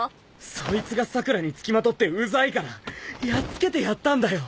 そいつが桜良に付きまとってウザいからやっつけてやったんだよ。